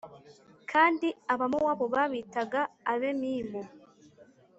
kandi Abamowabu babitaga Abemimu.